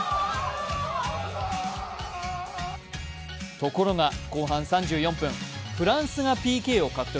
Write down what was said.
ところが後半３４分フランスがＰＫほ獲得。